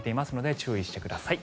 注意してください。